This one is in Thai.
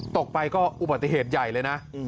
ตกไปก็อุบัติเหตุใหญ่เลยนะ